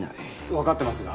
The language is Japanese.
わかってますが。